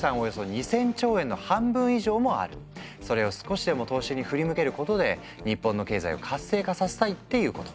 なんとそれを少しでも投資に振り向けることで日本の経済を活性化させたいっていうこと。